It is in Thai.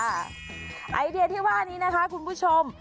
ไอเดียที่ว่านี้นะคะคุณผู้ชม